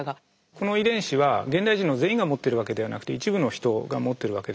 この遺伝子は現代人の全員が持ってるわけではなくて一部のヒトが持ってるわけです。